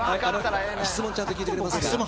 質問をちゃんと聞いてくれますか。